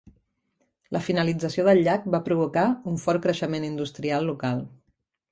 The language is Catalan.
La finalització del llac va provocar un fort creixement industrial local.